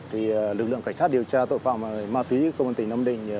thì lực lượng cảnh sát điều tra tội phạm ma túy công an tỉnh nam định